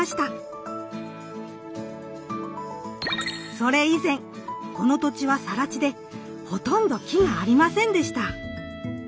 それ以前この土地はさら地でほとんど木がありませんでした。